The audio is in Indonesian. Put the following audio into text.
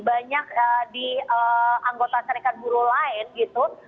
banyak di anggota serikat buruh lain gitu